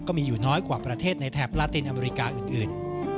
มีอยู่น้อยกว่าประเทศในแถบลาตินอเมริกาอื่น